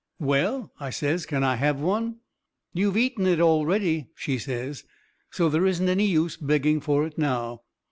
"Well," I says, "can I have one?" "You've eaten it already," she says, "so there isn't any use begging for it now."